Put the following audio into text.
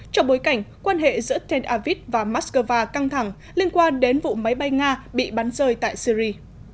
trong bối cảnh quan hệ giữa tentavit và moskova căng thẳng liên quan đến vụ máy bay nga bị bắn rơi tại syri